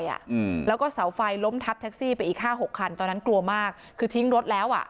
อืมแล้วก็เสาไฟล้มทับแท็กซี่ไปอีกห้าหกคันตอนนั้นกลัวมากคือทิ้งรถแล้วอ่ะ